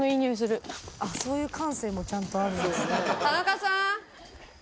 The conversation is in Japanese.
あっそういう感性もちゃんとあるんですね。